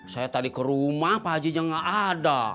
saya tadi ke rumah pak haji aja gak ada